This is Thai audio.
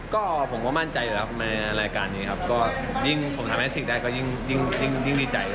ก็ผมมั่นใจอยู่แล้วครับในรายการนี้ครับยิ่งได้ยิ่งดีใจ